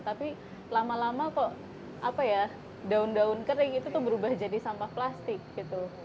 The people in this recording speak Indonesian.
tapi lama lama kok apa ya daun daun kering itu tuh berubah jadi sampah plastik gitu